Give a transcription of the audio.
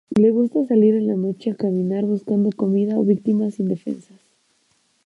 Le gusta salir en la noche a caminar buscando comida o víctimas indefensas.